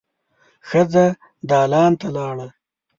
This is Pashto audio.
ښځه دالان ته لاړه.